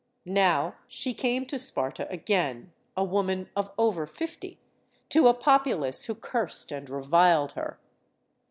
Now she came to Sparta again, a woman of over fifty, to a populace who cursed and reviled her.